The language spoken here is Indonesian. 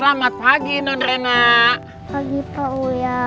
iya aku juga gak tau